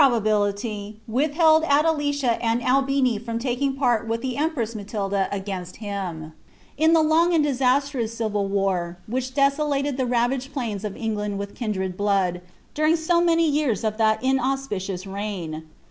139 babilitj withheld Adellcia and Albini from taking part with the yress Matilda against hini) in the long and disastrous civil war which olated the ravaged plains of England with kindred blood, during so ij years of that inauspicious reign.